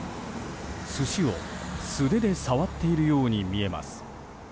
寿司を素手で触っているように見えます。